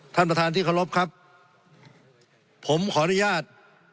ท่านประธานที่เคารพครับผมขออนุญาต